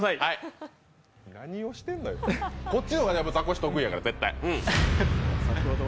こっちの方がザコシ得意やから。